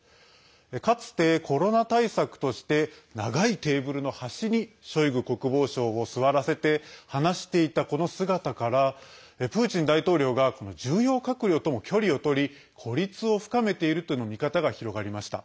かつて、コロナ対策として長いテーブルの端にショイグ国防相を座らせて話していた、この姿からプーチン大統領が重要閣僚とも距離を取り孤立を深めているとの見方が広がりました。